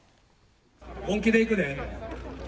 本気でいくで？